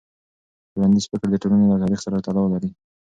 ټولنیز فکر د ټولنې له تاریخ سره تړاو لري.